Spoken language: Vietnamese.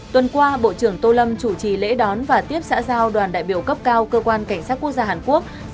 tuần qua bộ trưởng tô lâm chủ trì lễ đón và tiếp xã giao đoàn đại biểu cấp cao cơ quan cảnh sát quốc gia hàn quốc